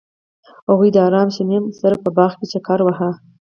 هغوی د آرام شمیم سره په باغ کې چکر وواهه.